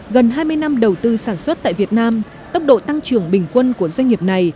gần hai mươi năm đầu tư sản xuất tại việt nam tốc độ tăng trưởng bình quân của doanh nghiệp này